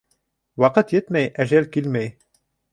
Ваҡыт етмәй әжәл килмәй.